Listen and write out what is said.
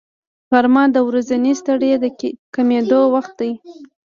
غرمه د ورځنۍ ستړیا د کمېدو وخت دی